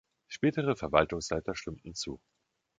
Spätere Verwaltungsleiter stimmten zu.